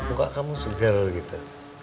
bukankah kamu segar gitu